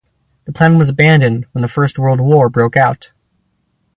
The plan was abandoned when the First World War broke out.